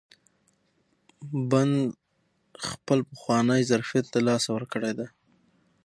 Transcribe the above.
بند خپل پخوانی ظرفیت له لاسه ورکړی دی.